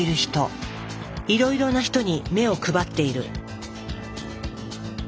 いろいろな人に目を配っている。